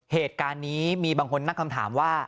เหตุการณ์นี้มีบางคนตั้งคำถามว่า